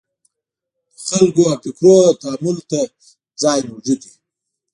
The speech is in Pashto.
د خلکو او فکرونو تامل ته ځای موجود وي.